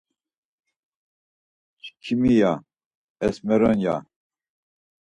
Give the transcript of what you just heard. Şǩimi, ya; esmeron, ya.